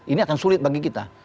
ini akan sulit bagi kita